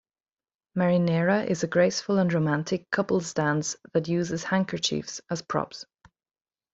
Marinera is a graceful and romantic couple's dance that uses handkerchiefs as props.